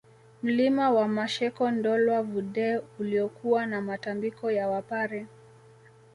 Mlima wa Masheko Ndolwa Vudee uliokuwa na Matambiko ya Wapare